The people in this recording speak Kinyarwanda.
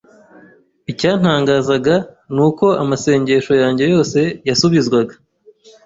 Icyantangazaga ni uko amasengesho yanjye yose yasubizwaga.